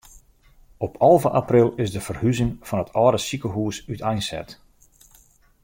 Op alve april is de ferhuzing fan it âlde sikehûs úteinset.